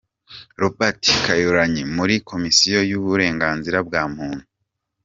Robert Kyagulanyi muri Komisiyo y’Uburenganzira bwa Muntu.